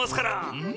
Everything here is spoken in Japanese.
うん！